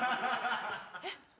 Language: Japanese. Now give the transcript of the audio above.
えっ？